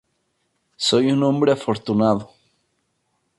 Soy un hombre afortunado.